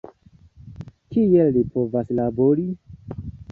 Kiel li povas labori?